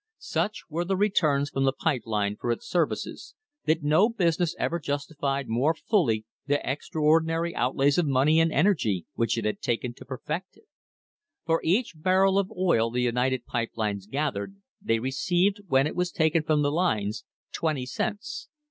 Such were the returns from the pipe line for its services that no business ever justified more fully the extraordinary outlays of money and energy which it had taken to perfect it. For each barrel of oil the United Pipe Lines gathered, they received, when it was taken from the lines, twenty cents.